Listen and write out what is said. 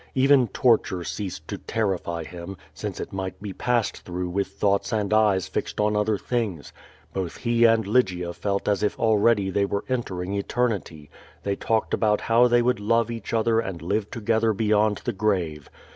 Even torture ceased to terrify him, since it might be passed through with thoughts and eyes fixed on other things. Both he and Lygia felt as if already they were entering eternity; they talked about how they would love each other and live together beyond the grave.